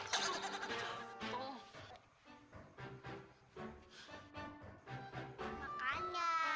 untuk apa saja